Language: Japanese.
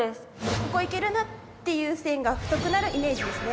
「ここいけるな！」っていう線が太くなるイメージですね。